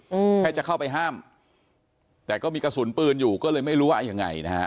อืมแค่จะเข้าไปห้ามแต่ก็มีกระสุนปืนอยู่ก็เลยไม่รู้ว่าเอายังไงนะฮะ